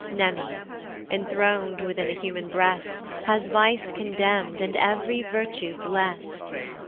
Mneme, enthron'd within the human breast, Has vice condemn'd, and ev'ry virtue blest.